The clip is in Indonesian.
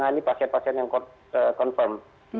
jadi itu pasien pasien yang confirm